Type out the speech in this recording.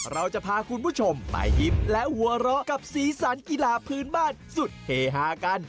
เราจะพาคุณผู้ชมไปยิ้มและหัวเราะกับสีสันกีฬาพื้นบ้านสุดเฮฮากัน